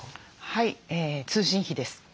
はい通信費です。